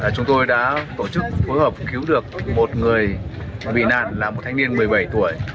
chúng tôi đã tổ chức phối hợp cứu được một người bị nạn là một thanh niên một mươi bảy tuổi